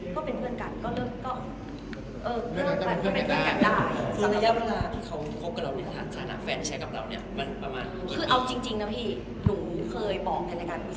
หนูก็เคยเจอความรักที่